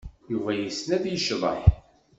Yuba yessen ad yecḍeḥ.